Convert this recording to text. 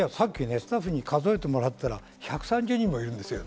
さっきスタッフに数えてもらったら１３０人もいたんです。